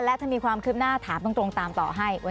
และถ้ามีความคืบหน้าถามตรงตามต่อให้